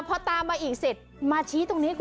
พอตามมาอีกเสร็จมาชี้ตรงนี้คุณ